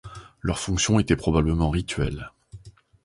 Leur fonction était probablement rituelle.